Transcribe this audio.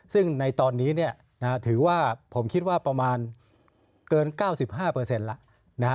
ซึ่งในตอนนี้ถือว่าผมคิดว่าประมาณเกิน๙๕แล้ว